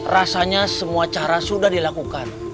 rasanya semua cara sudah dilakukan